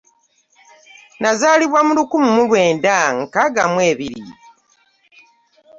Nazaalibwa mu lukumi mu lwenda nkaaga mu ebiri.